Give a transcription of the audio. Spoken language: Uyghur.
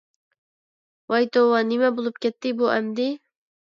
ۋاي توۋا، نېمە بولۇپ كەتتى بۇ ئەمدى.